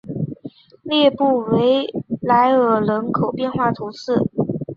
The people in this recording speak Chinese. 列布维莱尔人口变化图示